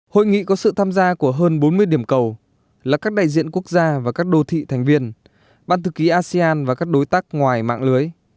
hội nghị có sự tham gia của hơn bốn mươi điểm cầu là các đại diện quốc gia và các đô thị thành viên ban thư ký asean và các đối tác ngoài mạng lưới